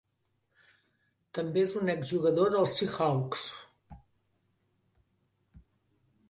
També és un ex-jugador dels Seahawks.